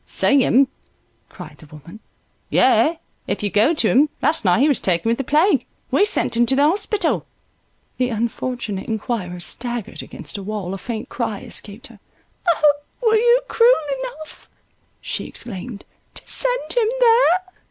"See him," cried the woman, "yes, if you go to him; last night he was taken with the plague, and we sent him to the hospital." The unfortunate inquirer staggered against a wall, a faint cry escaped her —"O! were you cruel enough," she exclaimed, "to send him there?"